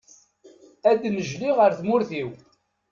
Ad nnejliɣ a tamurt-iw.